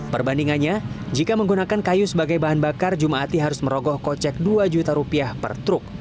perbandingannya jika menggunakan kayu sebagai bahan bakar ⁇ jumati ⁇ harus merogoh kocek dua juta rupiah per truk